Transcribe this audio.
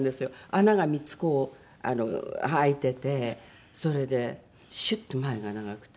穴が３つこう開いててそれでシュッと前が長くて。